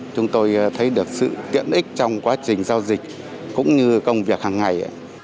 chúng tôi thấy được sự tiện ích trong quá trình giao dịch cũng như công việc hàng ngày